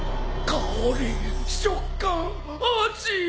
香り食感味。